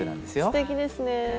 へえすてきですね。